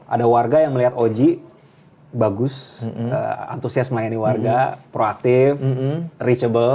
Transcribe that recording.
ada warga yang melihat oji bagus antusias melayani warga proaktif reachable